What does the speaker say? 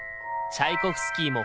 チャイコフスキー？